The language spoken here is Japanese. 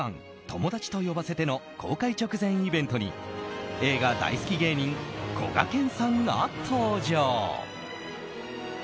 友だちと呼ばせて」の公開直前イベントに映画大好き芸人こがけんさんが登場。